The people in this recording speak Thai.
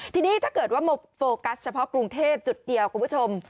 ทีนี้ถ้าเกิดว่าโฟกัสเฉพาะกรุงเทพจุดเดียวคุณผู้ชม